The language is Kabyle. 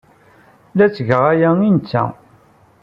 La ttgeɣ aya i netta.